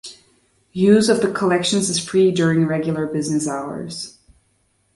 Use of the collections is free during regular business hours.